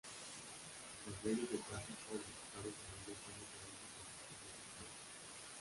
Las leyes de tráfico en los Estados Unidos son diferentes en distintos estados.